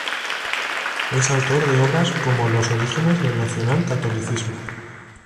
Es autor de obras como "Los orígenes del nacionalcatolicismo.